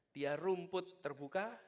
dia rumput terbuka